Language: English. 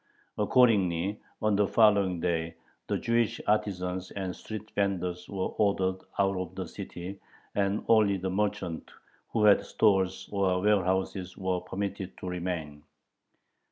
Accordingly, on the following day, the Jewish artisans and street venders were ordered out of the city, and only the merchants who had stores or warehouses were permitted to remain.